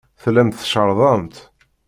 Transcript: Tellamt tcerrḍemt.